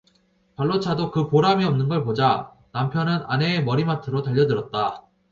발로 차도 그 보람이 없는 걸 보자 남편은 아내의 머리맡으로 달려들었다